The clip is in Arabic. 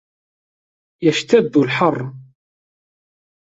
يَشْتَدُّ الْحَرُّ.